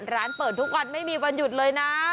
ร้านเปิดทุกวันไม่มีวันหยุดเลยนะ